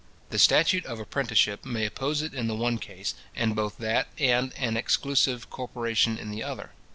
The statute of apprenticeship may oppose it in the one case, and both that and an exclusive corporation in the other.